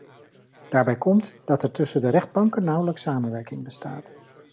Daarbij komt dat er tussen de rechtbanken nauwelijks samenwerking bestaat.